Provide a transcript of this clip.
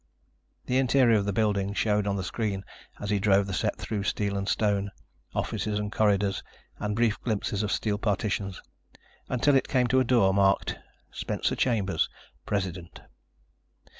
The interior of the building showed on the screen as he drove the set through steel and stone, offices and corridors and brief glimpses of steel partitions, until it came to a door marked: SPENCER CHAMBERS, PRESIDENT.